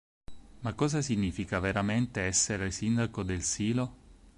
Ma cosa significa veramente essere sindaco del Silo?